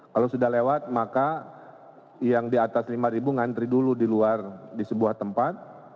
kalau sudah lewat maka yang di atas lima ngantri dulu di luar di sebuah tempat